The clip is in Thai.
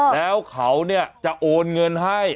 แล้วเขาเนี่ยจะโอนเงินให้